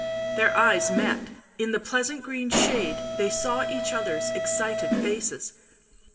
Their eyes met ; in the pleasant green shade they saw each other's excited faces.